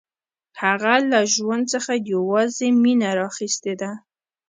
هغه له ژوند څخه یوازې مینه راخیستې ده